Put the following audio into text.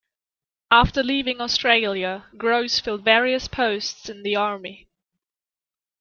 After leaving Australia Grose filled various posts in the army.